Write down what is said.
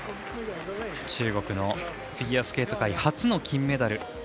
中国のフィギュアスケート界初の金メダル。